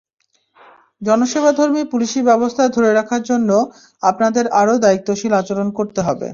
জনসেবাধর্মী পুলিশি ব্যবস্থা ধরে রাখার জন্য আপনাদের আরও দায়িত্বশীল আচরণ করতে হবে।